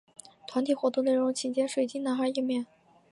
团体活动内容请见水晶男孩页面。